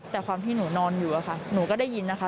แต่ความที่หนูนอนอยู่อะค่ะหนูก็ได้ยินนะคะ